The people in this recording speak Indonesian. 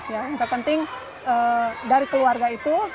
yang terpenting dari keluarga itu